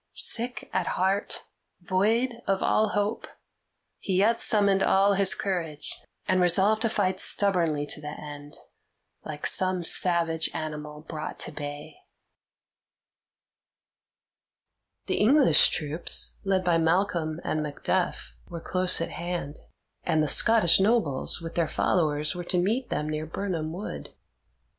Sick at heart, void of all hope, he yet summoned all his courage, and resolved to fight stubbornly to the end, like some savage animal brought to bay. The English troops, led by Malcolm and Macduff, were close at hand, and the Scottish nobles with their followers were to meet them near Birnam Wood.